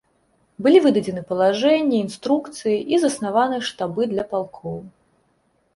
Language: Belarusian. Былі выдадзены палажэнні, інструкцыі і заснаваны штабы для палкоў.